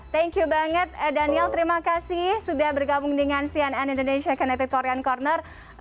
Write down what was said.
thank you banget daniel terima kasih sudah bergabung dengan cnn indonesia connected korean corner